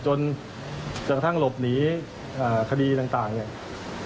จนกระทั่งหลบหนีคดีต่างเนี่ย